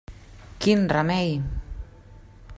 Quin remei!